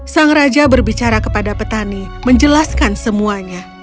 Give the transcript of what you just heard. sang raja berbicara kepada petani menjelaskan semuanya